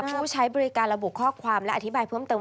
ผู้ใช้บริการระบุข้อความและอธิบายเพิ่มเติม